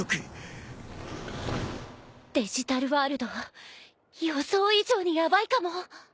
デジタルワールド予想以上にヤバいかも。